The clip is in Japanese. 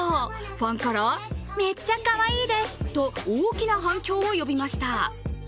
ファンから、めっちゃかわいいですと大きな反響を呼びました。